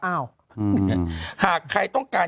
อ้าวหากใครต้องการ